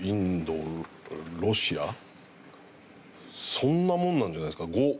そんなもんなんじゃないですか？